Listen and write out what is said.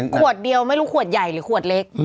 ขวดเดียวไม่รู้ขวดใหญ่หรือขวดเล็ก